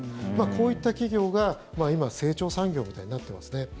こういった企業が今成長産業みたいになってますね。